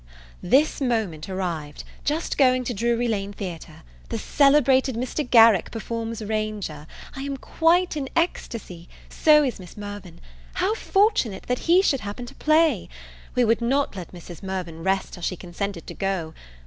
THIS moment arrived. Just going to Drury Lane Theatre. The celebrated Mr. Garrick performs Ranger. I am quite in ecstasy. So is Miss Mirvan. How fortunate that he should happen to play! We would not let Mrs. Mirvan rest till she consented to go.